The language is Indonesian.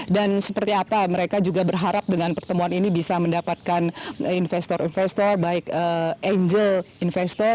dan seperti apa mereka juga berharap dengan pertemuan ini bisa mendapatkan investor investor baik angel investor